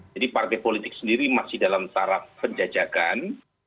jadi partai politik sendiri masih dalam taraf penjajakan